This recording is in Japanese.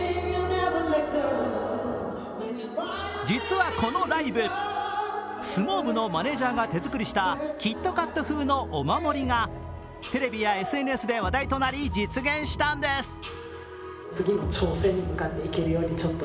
実はこのライブ、相撲部のマネージャーが手作りしたキットカット風のお守りがテレビやＳＮＳで話題となり実現したんです。